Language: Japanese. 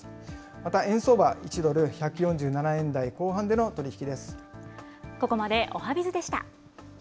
また円相場、１ドル１４７円台後半での取り引きです。